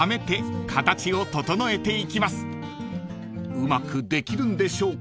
［うまくできるんでしょうか？］